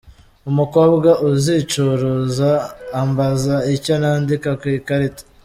Umukobwa uzicuruza ambaza icyo nandika ku ikarita.